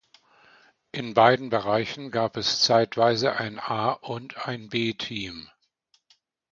In beiden Bereichen gab es zeitweise ein A- und ein B-Team.